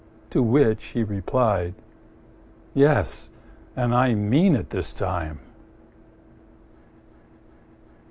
To which he replied, "Yes, and I mean it this time."